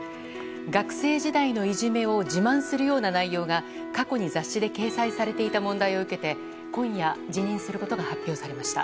学生時代のいじめを自慢するような内容が過去に雑誌で掲載されていた問題を受けて今夜、辞任することが発表されました。